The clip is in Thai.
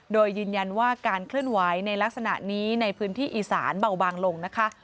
โดยยืนยันว่าการเคลื่อนไหวในลักษณะนี้ในพื้นที่อีสานเบาบางลงนะคะ